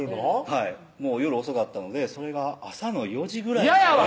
はいもう夜遅かったのでそれが朝の４時ぐらい嫌やわ！